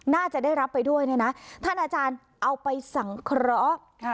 น่าจะได้รับไปด้วยเนี่ยนะท่านอาจารย์เอาไปสังเคราะห์